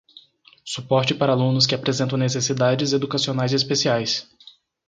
suporte para alunos que apresentam necessidades educacionais especiais